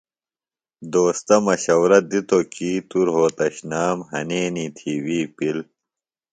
دوستہ مشورہ دِتوۡ کیۡ توۡ رھوتشنام ہنینیۡ تھی وی پِل۔